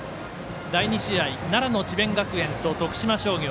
第２試合、奈良の智弁学園と徳島商業。